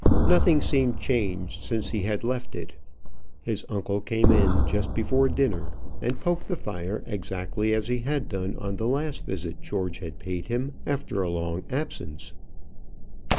Nothing seemed changed since he had left it: his uncle came in just before dinner, and poked the fire exactly as he had done on the last visit George had paid him after a long absence.